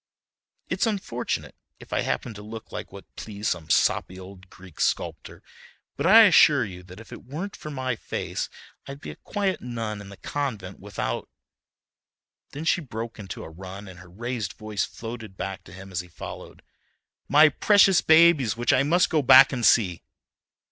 It's unfortunate, if I happen to look like what pleased some soppy old Greek sculptor, but I assure you that if it weren't for my face I'd be a quiet nun in the convent without"—then she broke into a run and her raised voice floated back to him as he followed—"my precious babies, which I must go back and see."